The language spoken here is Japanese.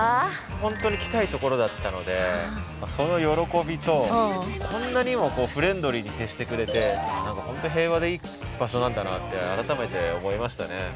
本当に来たいところだったのでその喜びとこんなにもフレンドリーに接してくれて何か本当に平和でいい場所なんだなって改めて思いましたね。